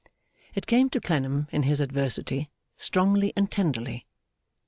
It came to Clennam in his adversity, strongly and tenderly.